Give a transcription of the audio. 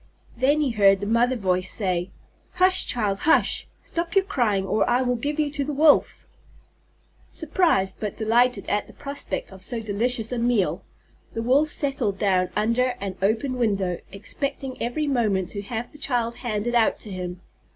Then he heard the Mother's voice say: "Hush, child, hush! Stop your crying, or I will give you to the Wolf!" Surprised but delighted at the prospect of so delicious a meal, the Wolf settled down under an open window, expecting every moment to have the child handed out to him.